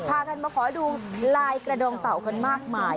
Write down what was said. พากันมาขอดูลายกระดงเต่ากันมากมาย